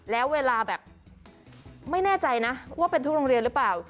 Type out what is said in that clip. แล้วเวลาแบบไม่แน่ใจนะว่าเป็นทุกโรงเรียนหรือเปล่า